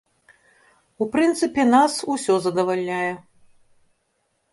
У прынцыпе нас усё задавальняе.